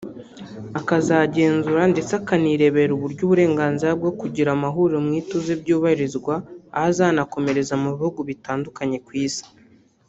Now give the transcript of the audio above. akazagenzura ndetse akanirebera uburyo uburenganzira bwo kugira amahuriro mu ituze byubahirizwa aho azanakomereza mu bihugu bitandukanye ku Isi